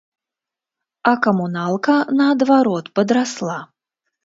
А камуналка, наадварот, падрасла.